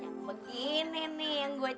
yang begini nih yang gua cari